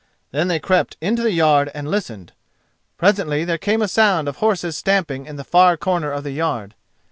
Then they crept into the yard and listened. Presently there came a sound of horses stamping in the far corner of the yard.